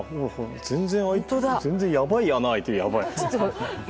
全然やばい穴開いてる。